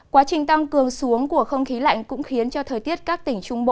quá trình tăng cường xuống của không khí lạnh cũng khiến cho thời tiết các tỉnh trung bộ